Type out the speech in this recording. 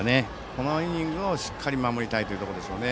このイニングをしっかり守りたいところですね。